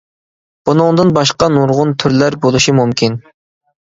بۇنىڭدىن باشقا نۇرغۇن تۈرلەر بولۇشى مۇمكىن .